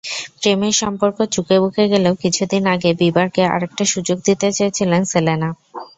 প্রেমের সম্পর্ক চুকেবুকে গেলেও কিছুদিন আগে বিবারকে আরেকটা সুযোগ দিতে চেয়েছিলেন সেলেনা।